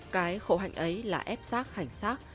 cái khổ hạnh ấy là ép xác hành xác